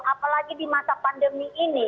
apalagi di masa pandemi ini